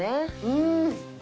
うん！